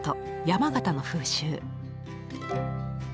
山形の風習。